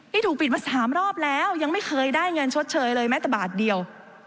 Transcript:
นี่ถูกปิดมา๓รอบแล้วยังไม่เคยได้เงินชดเชยเลยแม้แต่บาทเดียว